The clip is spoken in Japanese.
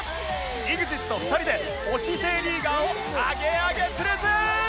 ＥＸＩＴ２ 人で推し Ｊ リーガーをアゲアゲプレゼン！